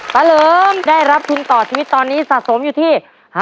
เหลิมได้รับทุนต่อชีวิตตอนนี้สะสมอยู่ที่